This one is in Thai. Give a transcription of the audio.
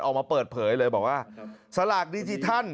ออกมาเปิดเผยเลยบอกว่าสลากดิจิทัล